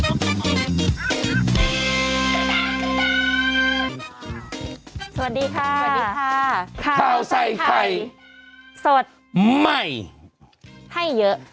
สวัสดีค่ะสวัสดีค่ะข้าวใส่ไข่สดใหม่ให้เยอะ